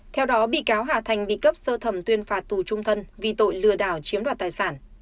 theo đó bị cáo hà thành bị cấp sơ thẩm tuyên phạt tù trung thân vì tội lừa đảo chiếm đoạt tài sản